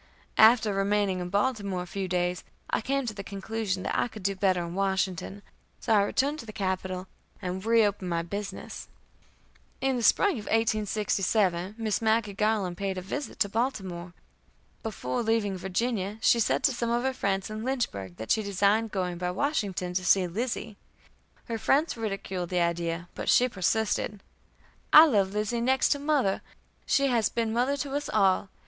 After remaining in Baltimore a few days, I came to the conclusion that I could do better in Washington; so I returned to the capital, and reopened my business. In the spring of 1867, Miss Maggie Garland paid a visit to Baltimore. Before leaving Virginia she said to some of her friends in Lynchburg that she designed going by Washington to see Lizzie. Her friends ridiculed the idea, but she persisted: "I love Lizzie next to mother. She has been a mother to us all.